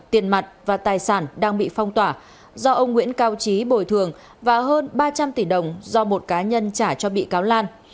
tiền mặt và tài sản đang bị phong tỏa do ông nguyễn cao trí bồi thường và hơn ba trăm linh tỷ đồng do một cá nhân trả cho bị cáo lan